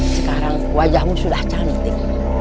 sekarang wajahmu sudah cantik